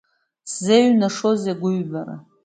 Сзеиҩнашозеи агәыҩбара?